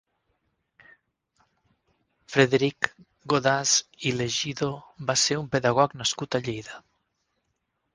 Frederic Godàs i Legido va ser un pedagog nascut a Lleida.